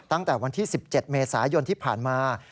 ตั้งแต่วันที่๑๗เมษายนที่ผ่านมา